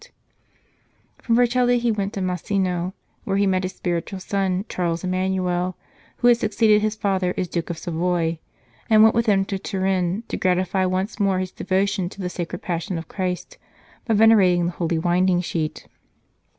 192 Apostolic Visitations From Vercelli he went to Masino, where he met his spiritual son, Charles Emmanuel, who had succeeded his father as Duke of Savoy, and went with him to Turin to gratify once more his devo tion to the sacred Passion of Christ by venerating the Holy Winding Sheet.